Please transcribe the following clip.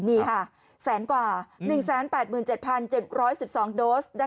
นี่ค่ะแสนกว่า๑๘๗๗๑๒โดส